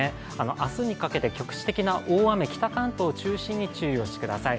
明日にかけて局地的な大雨、北関東を中心に注意をしてください。